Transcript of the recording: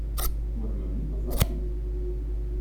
Twehmem mi tt-teẓṛam?